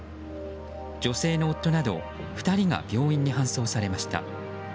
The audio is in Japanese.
女性の夫など２人が病院に搬送されました。